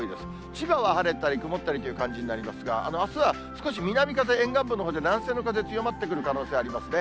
千葉は晴れたり曇ったりという感じになりますが、あすは少し南風、沿岸部のほうで南西の風、強まってくる可能性ありますね。